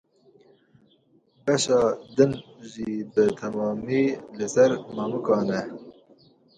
Beşa din jî bi temamî li ser mamikan e.